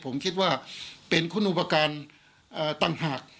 ผมคิดว่าเป็นคุณอุปการณ์ต่างหาก